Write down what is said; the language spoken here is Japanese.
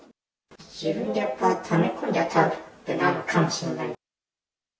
自分でやっぱりため込んじゃうタイプなのかもしれない。